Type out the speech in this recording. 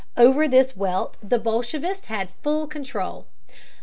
Over this wealth the bolehevists had full control.